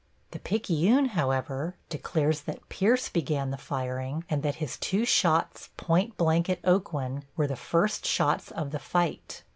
The Picayune, however, declares that Pierce began the firing and that his two shots point blank at Aucoin were the first shots of the fight.